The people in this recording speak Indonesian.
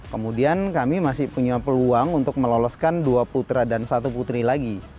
kemudian kami masih punya peluang untuk meloloskan dua putra dan satu putri lagi